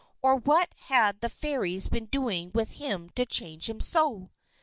Or what had the fairies been doing with him to change him so!